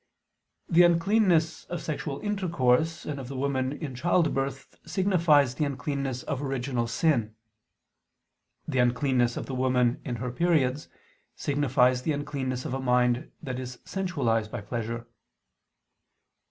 The uncleanness of sexual intercourse and of the woman in child birth signifies the uncleanness of original sin. The uncleanness of the woman in her periods signifies the uncleanness of a mind that is sensualized by pleasure.